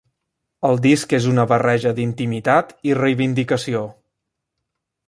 El disc és una barreja d’intimitat i reivindicació.